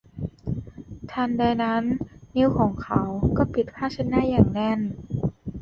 ทันใดนั้นนิ้วของเขาก็ปิดผ้าเช็ดหน้าอย่างแน่น